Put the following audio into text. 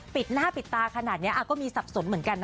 ปิดหน้าปิดตาณักก็มีสับสนเหมือนกัน